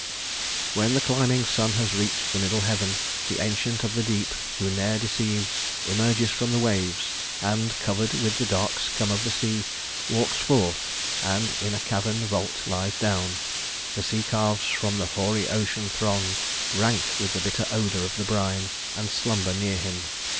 "When the climbing sun has reached The middle heaven, the Ancient of the Deep, Who ne'er deceives, emerges from the waves, And, covered with the dark scum of the sea, Walks forth, and in a cavern vault lies down. The sea calves from the hoary ocean throng, Rank with the bitter odor of the brine, And slumber near him.